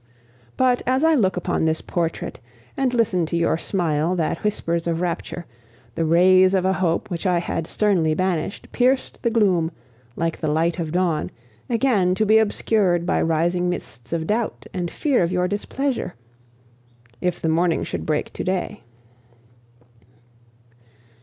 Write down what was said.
"But, as I look upon this portrait and listen to your smile that whispers of rapture, the rays of a hope which I had sternly banished pierced the gloom, like the light of dawn, again to be obscured by rising mists of doubt and fear of your displeasure, if the morning should break to day.